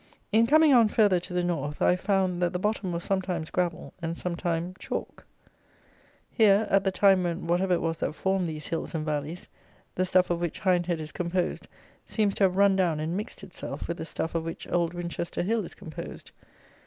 In coming on further to the North, I found, that the bottom was sometimes gravel and sometime chalk. Here, at the time when whatever it was that formed these hills and valleys, the stuff of which Hindhead is composed seems to have run down and mixed itself with the stuff of which Old Winchester Hill is composed.